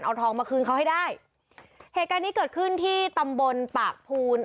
เอาทองมาคืนเขาให้ได้เหตุการณ์นี้เกิดขึ้นที่ตำบลปากภูน